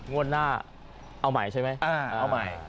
งวดหน้าเอาใหม่ใช่ไหม